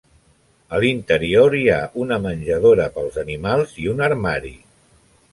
A l'interior hi ha una menjadora pels animals i un armari.